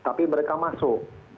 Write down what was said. tapi mereka masuk